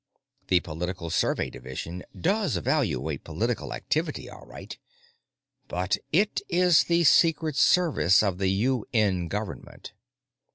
The Political Survey Division does evaluate political activity, all right, but it is the Secret Service of the UN Government.